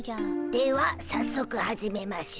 ではさっそく始めましゅ。